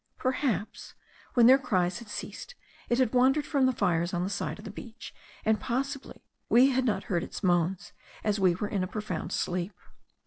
Perhaps, when their cries had ceased, it had wandered from the fires on the side of the beach; and possibly we had not heard its moans, as we were in a profound sleep.